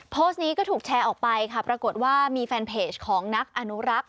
โพสต์นี้ก็ถูกแชร์ออกไปค่ะปรากฏว่ามีแฟนเพจของนักอนุรักษ์